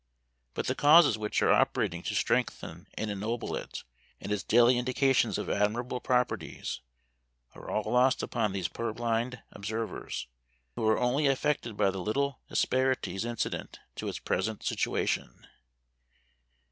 But the causes which are operating to strengthen and ennoble it, and its daily indications of admirable properties, are all lost upon these purblind observers; who are only affected by the little asperities incident to its present situation.